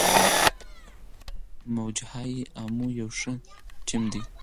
موج های امو یو ښه ټیم دی.